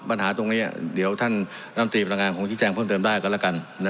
ปัญหาตรงนี้เดี๋ยวท่านรบน้ำตีประการของที่แจ้งเพิ่มเติมเรากันละกัน